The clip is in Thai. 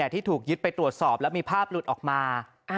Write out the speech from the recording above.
ที่ถูกยึดไปตรวจสอบแล้วมีภาพหลุดออกมา